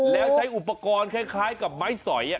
แล้วใช้อุปกรณ์คล้ายกับไม้สอย